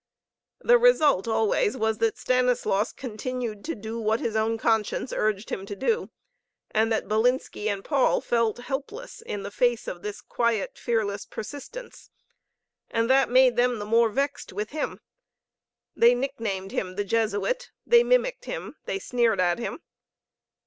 The result always was that Stanislaus continued to do what his own conscience urged him to do, and that Bilinski and Paul felt helpless in the face of his quiet, fearless persistence. And that made them the more vexed with him. They nicknamed him "The Jesuit," they mimicked him, they sneered at him.